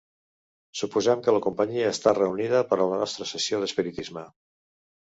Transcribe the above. Suposem que la companyia està reunida per a la nostra sessió d'espiritisme.